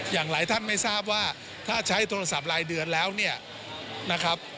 อย่างหลายท่านไม่ทราบว่าถ้าใช้โทรศัพท์รายเดือนแล้วเนี่ยนะครับ